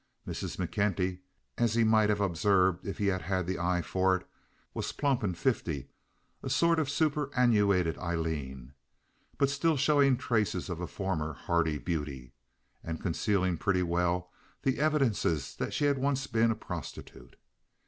Mrs. McKenty, as he might have observed if he had had the eye for it, was plump and fifty, a sort of superannuated Aileen, but still showing traces of a former hardy beauty, and concealing pretty well the evidences that she had once been a prostitute.